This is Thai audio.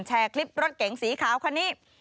แชร์คลิปรถเก๋งสีขาวคันนี้